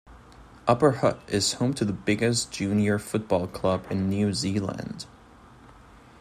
Upper Hutt is home to the biggest junior football club in New Zealand.